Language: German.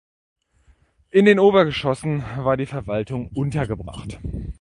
In den Obergeschossen war die Verwaltung untergebracht.